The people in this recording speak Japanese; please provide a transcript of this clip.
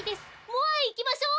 モアイいきましょう！